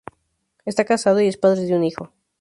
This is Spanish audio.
Está casado y es padre de un hijo.